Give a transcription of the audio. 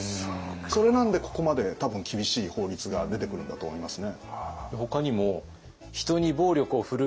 それなんでここまで多分厳しい法律が出てくるんだと思いますね。